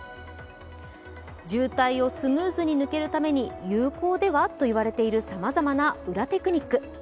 渋滞をスムーズに抜けるために有効では？といわれているさまざまな裏テクニック。